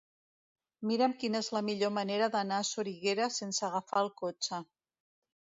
Mira'm quina és la millor manera d'anar a Soriguera sense agafar el cotxe.